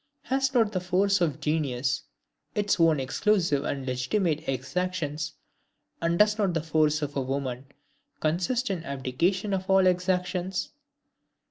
Has not the force of genius its own exclusive and legitimate exactions, and does not the force of woman consist in the abdication of all exactions?